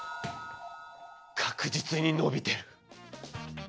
確実にのびてる！